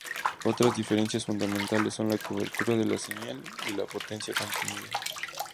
Otras diferencias fundamentales son la cobertura de la señal y la potencia consumida.